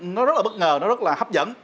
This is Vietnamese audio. nó rất là bất ngờ nó rất là hấp dẫn